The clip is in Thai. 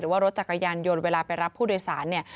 ว่ารถจักรยานยนต์เวลาไปรับผู้โดยสารเนี่ย